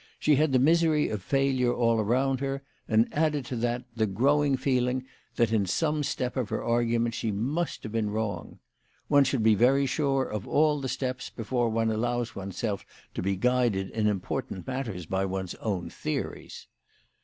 She had the misery of failure all around her, and, added to that, the growing WHY FRAU FROHMANN RAISED HER PRICES. 71 feeling that, in some step of Her argument, she must have been wrong. One should be very sure of all the steps before one allows oneself to be guided in important matters by one's own theories